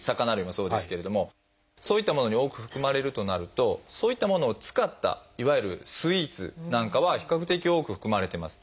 そういったものに多く含まれるとなるとそういったものを使ったいわゆるスイーツなんかは比較的多く含まれてます。